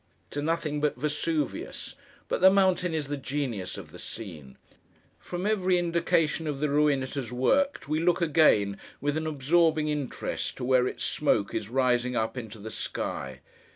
To nothing but Vesuvius; but the mountain is the genius of the scene. From every indication of the ruin it has worked, we look, again, with an absorbing interest to where its smoke is rising up into the sky.